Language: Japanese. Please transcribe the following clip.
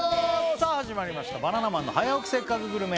さあ始まりました「バナナマンの早起きせっかくグルメ！！」